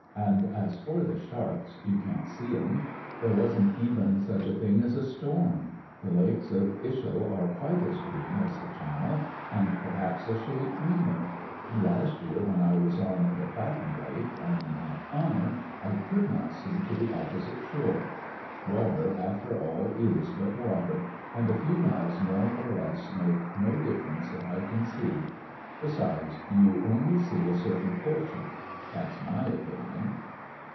And, as for the sharks, you can't see them. There wasn't even such a thing as a storm. The lakes of Ischl are quite as green as the channel, and, perhaps, a shade greener. And last year, when I was on the Platten Lake, on my honour! I could not see to the opposite shore. Water, after all, is but water; and a few miles, more or less, make no difference that I can see. Besides, you only see a certain portion. That's my opinion."